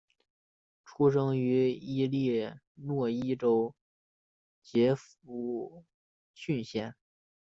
出生于伊利诺伊州杰佛逊县。